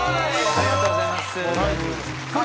ありがとうございます。